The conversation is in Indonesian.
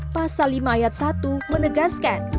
pasal lima ayat satu menegaskan